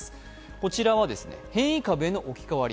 こちら変異株への置き換わり